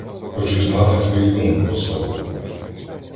Хочу знати твою думку, осавуле.